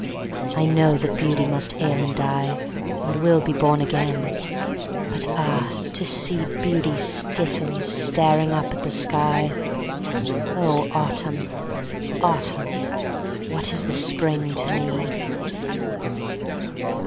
I know that Beauty must ail and die, And will be born again, but ah, to see Beauty stiffened, staring up at the sky! Oh, Autumn! Autumn! What is the Spring to me?